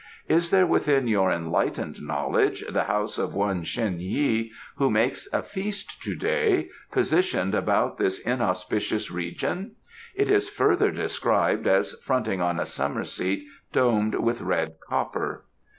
Is there, within your enlightened knowledge, the house of one Shen Yi, who makes a feast to day, positioned about this inauspicious region? It is further described as fronting on a summer seat domed with red copper."